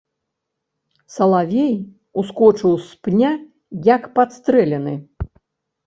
Салавей ускочыў з пня, як падстрэлены.